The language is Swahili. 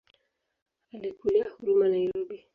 Alikulia Huruma Nairobi.